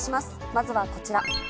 まずはこちら。